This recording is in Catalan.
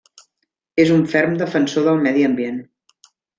És un ferm defensor del medi ambient.